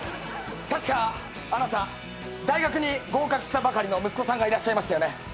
確かあなた大学に合格したばかりの息子さんがいらっしゃいましたよね。